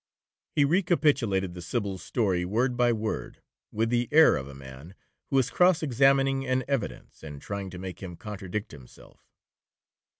He recapitulated the Sybil's story word by word, with the air of a man who is cross examining an evidence, and trying to make him contradict himself.